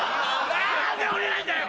何で降りないんだよ！